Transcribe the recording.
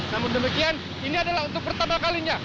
namun demikian ini adalah untuk pertama kalinya